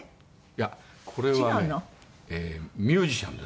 いやこれはねミュージシャンですね。